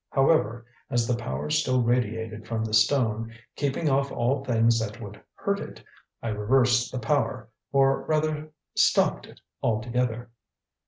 However, as the power still radiated from the stone, keeping off all things that would hurt it, I reversed the power, or rather, stopped it altogether."